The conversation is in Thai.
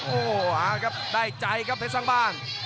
โอ้โหเอาครับได้ใจครับเพชรสร้างบ้าน